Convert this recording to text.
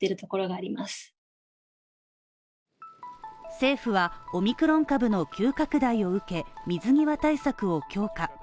政府は、オミクロン株の急拡大を受け、水際対策を強化